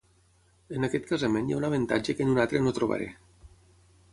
En aquest casament hi ha un avantatge que en un altre no trobaré.